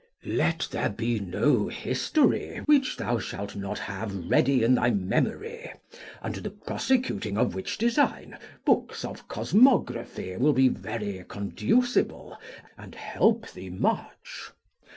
Let there be no history which thou shalt not have ready in thy memory; unto the prosecuting of which design, books of cosmography will be very conducible and help thee much.